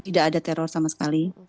tidak ada teror sama sekali